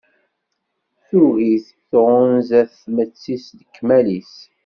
Tugi-t, tɣunza-t tmetti s lekmal-is.